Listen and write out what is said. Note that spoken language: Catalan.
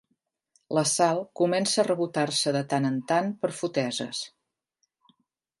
La Sal comença a rebotar-se de tant en tant per foteses.